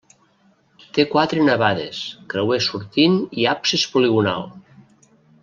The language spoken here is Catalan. Té quatre navades, creuer sortint i absis poligonal.